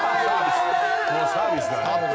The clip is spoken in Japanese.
「これサービスだね」